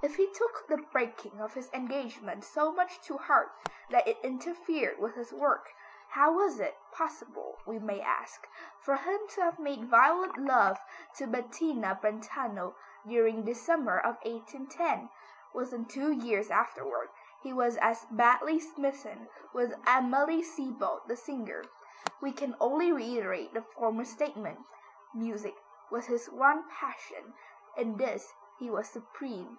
If he took the breaking of his engagement so much to heart that it interfered with his work, how was it possible, we may ask, for him to have made violent love to Bettina Brentano during this summer of 1810? Within two years afterward he was as badly smitten with Amalie Seebald the singer. We can only reiterate the former statement, music was his one passion, in this he was supreme.